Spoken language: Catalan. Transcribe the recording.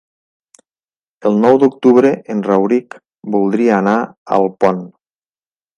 El nou d'octubre en Rauric voldria anar a Alpont.